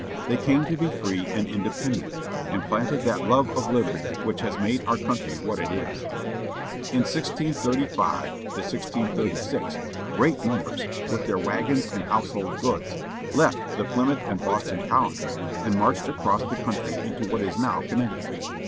They came to be free and independent, and planted that love of liberty which has made our country what it is. In 1635 36 great numbers, with their wagons and household goods, left the Ply mouth and Boston colonies, and marched across the country into what is now Connecticut.